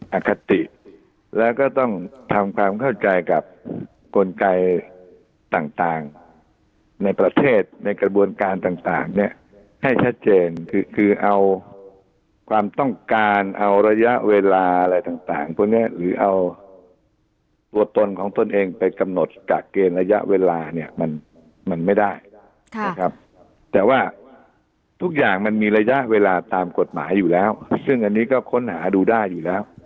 อคติแล้วก็ต้องทำความเข้าใจกับกลไกต่างในประเทศในกระบวนการต่างเนี่ยให้ชัดเจนคือคือเอาความต้องการเอาระยะเวลาอะไรต่างพวกนี้หรือเอาตัวตนของตนเองไปกำหนดจากเกณฑ์ระยะเวลาเนี่ยมันไม่ได้นะครับแต่ว่าทุกอย่างมันมีระยะเวลาตามกฎหมายอยู่แล้วซึ่งอันนี้ก็ค้นหาดูได้อยู่แล้ว